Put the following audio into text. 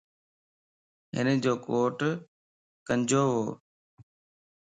ھنجو ڪوٽ ڪنجووَ